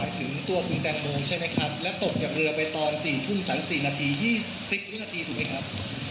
ถึงตัวคุณแตงโมใช่ไหมครับแล้วตกจากเรือไปตอน๔ทุ่ม๓๔นาที๒๐วินาทีถูกไหมครับ